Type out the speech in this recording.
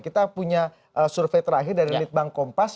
kita punya survei terakhir dari litbang kompas